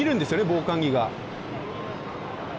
防寒着が。